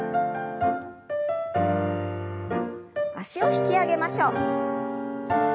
脚を引き上げましょう。